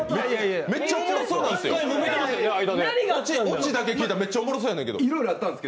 めっちゃ面白そうなんですよ。